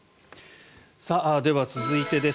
では、続いてです。